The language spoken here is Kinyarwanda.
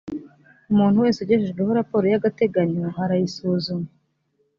umuntu wese ugejejweho raporo y’agateganyo arayisuzuma